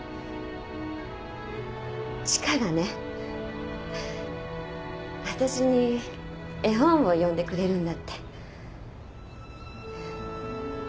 千賀がねわたしに絵本を読んでくれるんだって。